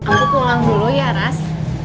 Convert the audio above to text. aku pulang dulu ya ras